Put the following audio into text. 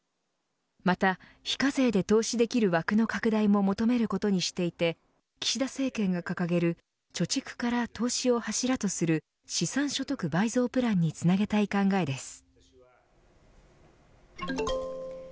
また、非課税で投資できる枠の拡大も求めることにしていて岸田政権が掲げる貯蓄から投資を柱とする資産所得倍増プランにつなげたい考えです。